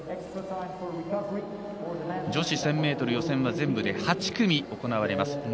女子１０００ｍ予選は全部で８組行われます。